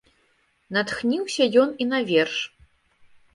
Натхніўся ён і на верш.